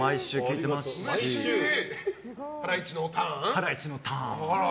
「ハライチのターン！」を？